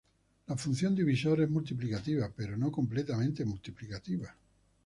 La función divisor es multiplicativa, pero no completamente multiplicativa.